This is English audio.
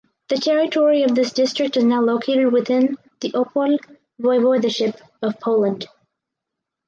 The territory of this district is now located within the Opole Voivodeship of Poland.